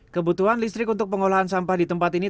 kebutuhan listrik untuk pengolahan sampah di tempat ini